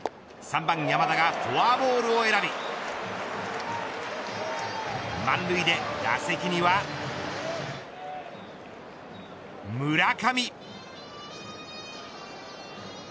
３番山田がフォアボールを選び満塁で打席には村上。